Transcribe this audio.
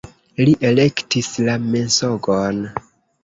Li elektis la mensogon.